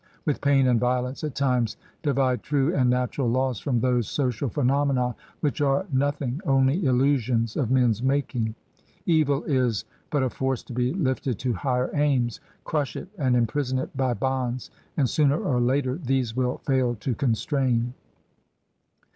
with pain and violence at times divide true and natural 206 MRS. DYMOND. laws from those social phenomena which are no thing, only illusions of men's making. Evil is but a force to be lifted to higher aims; crush it and imprison it by bonds, and sooner or later these will fail to constrain.